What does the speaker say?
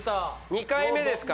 ２回目ですか？